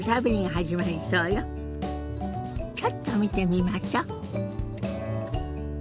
ちょっと見てみましょ。